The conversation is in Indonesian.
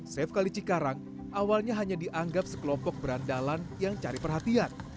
safe kali cikarang awalnya hanya dianggap sekelompok berandalan yang cari perhatian